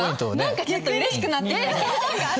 何かちょっとうれしくなってきちゃった。